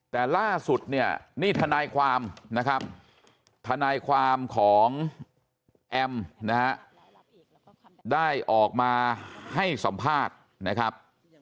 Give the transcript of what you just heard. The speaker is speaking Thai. แต่ล่าสุดเนี่ยนี่ทนายความนะครับทนายความของแอมนะฮะได้ออกมาให้สัมภาษณ์นะครับ